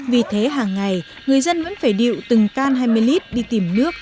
vì thế hàng ngày người dân vẫn phải điệu từng can hai mươi lít đi tìm nước